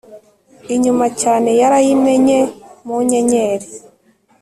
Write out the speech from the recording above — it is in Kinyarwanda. inyuma cyane yarayimenye, mu nyenyeri